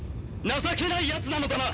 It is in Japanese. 情けないヤツなのだな。